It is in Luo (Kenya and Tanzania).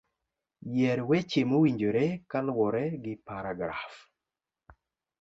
Yier weche mowinjore kaluwore gi paragraf